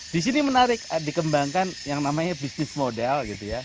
disini menarik dikembangkan yang namanya bisnis model